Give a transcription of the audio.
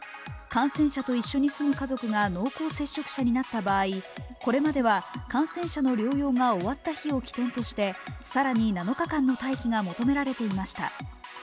感染者と一緒に住む家族が濃厚接触者になった場合、これまでは、感染者の療養が終わった後に起点として更に７日間の待機が求められていました。